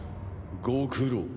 ご苦労。